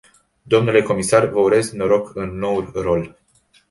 Dle comisar, vă urez noroc în noul rol.